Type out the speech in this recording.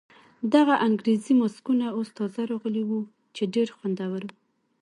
دغه انګریزي ماسکونه اوس تازه راغلي ول چې ډېر خوندور وو.